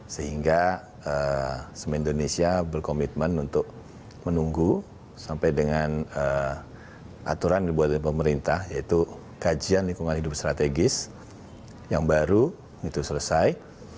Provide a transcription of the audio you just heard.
sehingga semen indonesia berkomitmen untuk menunggu sampai dengan aturan yang dibuat oleh pemerintah yaitu kajian lingkungan hidup strategis yang baru itu selesai